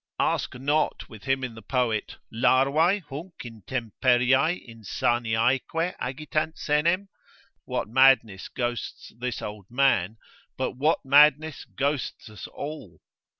Ask not with him in the poet, Larvae hunc intemperiae insaniaeque agitant senem? What madness ghosts this old man, but what madness ghosts us all?